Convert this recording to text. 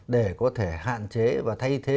để có thể hạn chế và thay thế